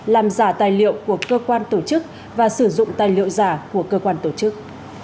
làm giả tài liệu của cơ quan tổ chức và sử dụng tài liệu giả của cơ quan tổ chức